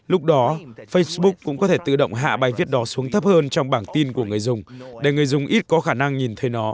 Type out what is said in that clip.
lúc đó facebook cũng có thể tự động hạ bài viết đó xuống thấp hơn trong bảng tin của người dùng để người dùng ít có khả năng nhìn thấy nó